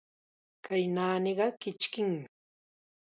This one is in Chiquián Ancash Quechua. Kay naaniqa kichkim.